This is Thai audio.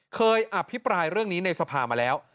อภิปรายเรื่องนี้ในสภามาแล้ว